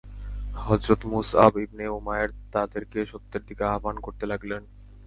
হযরত মুসআব ইবনে উমায়ের তাদেরকে সত্যের দিকে আহবান করতে লাগলেন।